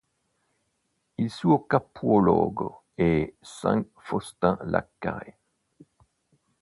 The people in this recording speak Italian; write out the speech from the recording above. Il suo capoluogo è Saint-Faustin-Lac-Carré.